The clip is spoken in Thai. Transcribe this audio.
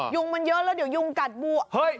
ยุงมันเยอะแล้วเดี๋ยวยุงกัดบัวเฮ้ย